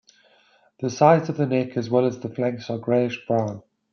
The sides of the neck as well as the flanks are greyish brown.